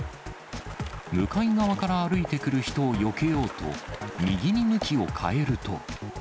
向かい側から歩いてくる人をよけようと右に向きを変えると。